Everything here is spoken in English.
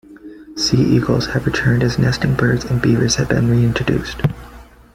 Sea eagles have returned as nesting birds, and beavers have been reintroduced.